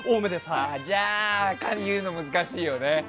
じゃあ、言うの難しいよね。